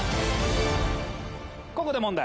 ここで問題